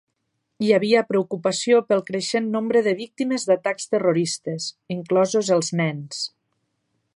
Hi havia preocupació pel creixent nombre de víctimes d'atacs terroristes, inclosos els nens.